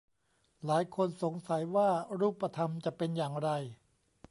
หลายคนสงสัยว่ารูปธรรมจะเป็นอย่างไร